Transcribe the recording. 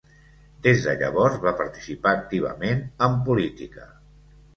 Des de llavors va participar activament en política.